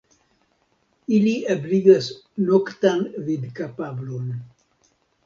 Ili ebligas noktan vidkapablon.